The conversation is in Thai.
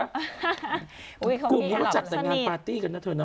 เขาคิดจะหลับสนิทกลุ่มนี้ก็จัดแต่งงานปาร์ตี้กันนะเถอะเนอะ